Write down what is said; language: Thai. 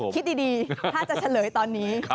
คิดดีถ้าจะเฉลยตอนนี้